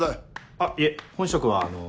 あっいえ本職はあの。